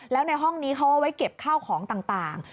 แล้วในห้องนี้เขาเอาไว้เก็บข้าวของต่าง